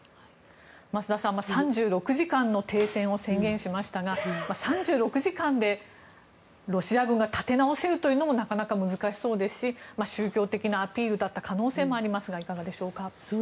増田さん、３６時間の停戦を宣言しましたが３６時間でロシア軍が立て直せるというのもなかなか難しそうですし宗教的なアピールだった可能性もありますがいかがでしょうか？